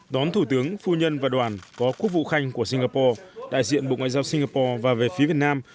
đón thủ tướng phu nhân và đoàn có quốc vụ khanh của singapore đại diện bộ ngoại giao singapore và về phía việt nam